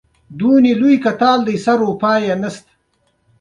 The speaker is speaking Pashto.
زما خبرې يې راپرې كړې بچيه جنګ له مازغه پكار دي.